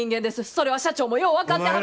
それは社長もよう分かってはる。